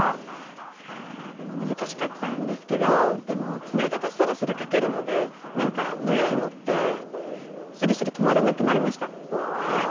いやでも難しかったんですけどでもつなげてスラスラ書けるので何かノリに乗ってスラスラ止まらなくなりました。